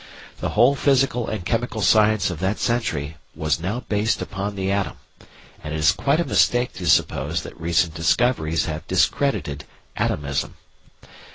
The whole physical and chemical science of that century was now based upon the atom, and it is quite a mistake to suppose that recent discoveries have discredited "atomism."